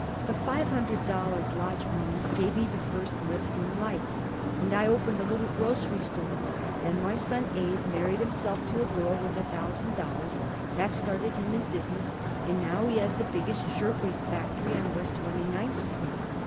"The five hundred dollars lodge money gave me the first lift in life, and I opened a little grocery store. Then my son Abe married himself to a girl with a thousand dollars. That started him in business, and now he has the biggest shirt waist factory on West Twenty ninth Street."